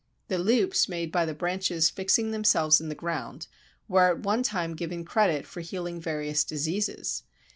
The loops made by the branches fixing themselves in the ground (see p. 93) were at one time given credit for healing various diseases.